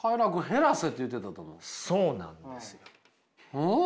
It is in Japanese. うん？